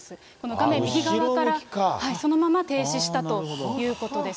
画面右側から、そのまま停止したということです。